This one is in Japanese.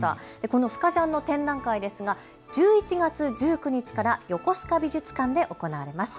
このスカジャンの展覧会ですが１１月１９日から横須賀美術館で行われます。